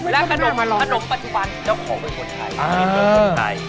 และขนมปัจจุบันเจ้าของเป็นคนไทย